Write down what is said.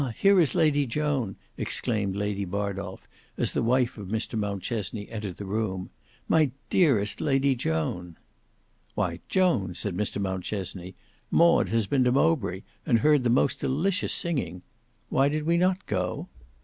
here is Lady Joan," exclaimed Lady Bardolf, as the wife of Mr Mountchesney entered the room; "My dearest Lady Joan!" "Why Joan," said Mr Mountchesney, "Maud has been to Mowbray, and heard the most delicious singing. Why did we not go?"